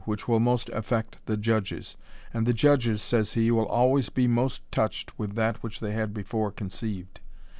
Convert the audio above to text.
which will most affect the judges ; and the judges, says h^ will be always most touched with that which they had before conceived.